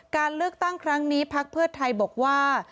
การเลือกตั้งครั้งนี้พักเพื่อไทยบอกว่า